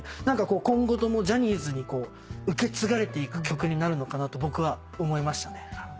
今後ともジャニーズに受け継がれていく曲になるかなと僕は思いましたね。